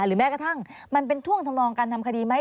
แม้กระทั่งมันเป็นท่วงทำนองการทำคดีไหม